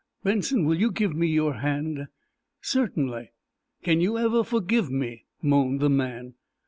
"Benson, will you give me your hand?" "Certainly." "Can you ever forgive me?" moaned the man.